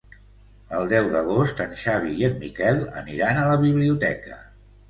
El deu d'agost en Xavi i en Miquel aniran a la biblioteca.